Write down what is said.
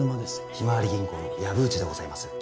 ひまわり銀行の薮内でございます